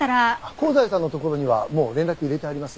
香西さんのところにはもう連絡入れてあります。